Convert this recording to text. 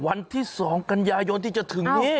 วันที่๒กันยายนที่จะถึงนี้